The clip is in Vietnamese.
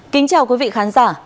kính chào quý vị khán giả